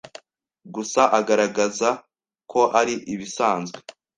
gusa agaragaraza ko ari ibisanzwe.